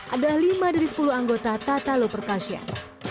ada lima dari sepuluh anggota tatalu perkassian